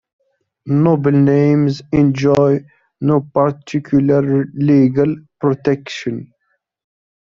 Noble names enjoy no particular legal protection.